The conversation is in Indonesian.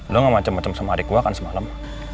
lo gak macem macem sama adik gue kan semalam